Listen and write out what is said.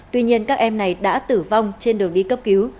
tuy nhiên các em này đã tử vong trên đường đi cấp cứu